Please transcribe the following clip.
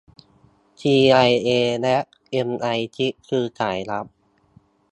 ซีไอเอและเอมไอซิกส์คือสายลับ